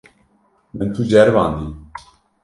Min tu ceribandî.